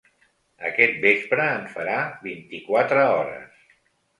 Aquest vespre en farà vint-i-quatre hores.